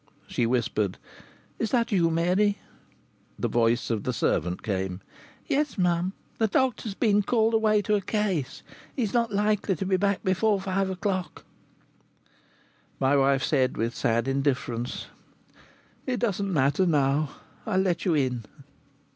She whispered: "Is that you, Mary?" The voice of the servant came: "Yes, mum. The doctor's been called away to a case. He's not likely to be back before five o'clock." My wife said, with sad indifference: "It doesn't matter now. I'll let you in."